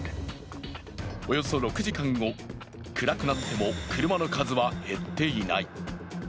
およそ６時間後、暗くなっても車の数は減っていない。